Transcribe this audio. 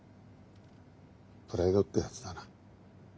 プライドってやつだな。